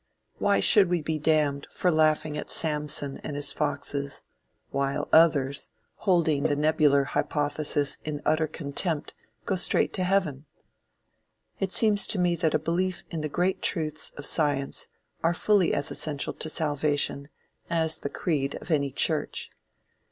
Why should we be damned for laughing at Samson and his foxes, while others, holding the Nebular Hypothesis in utter contempt, go straight to heaven? It seems to me that a belief in the great truths of science are fully as essential to salvation, as the creed of any church.